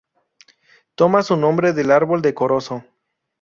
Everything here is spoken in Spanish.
Toma su nombre del árbol de corozo.